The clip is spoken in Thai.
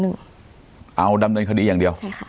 เอาดำเนินคดีอย่างเดียว